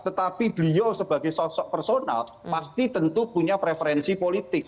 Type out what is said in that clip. tetapi beliau sebagai sosok personal pasti tentu punya preferensi politik